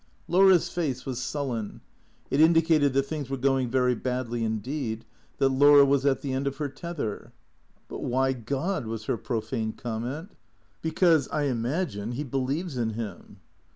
Laura's face was sullen. It indicated that things were going very badly indeed ; that Laura was at the end of her tether. " But why God ?" was her profane comment. " Because, I imagine, he believes in him."